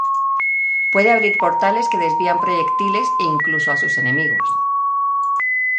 Puede abrir portales que desvían proyectiles e incluso a sus enemigos.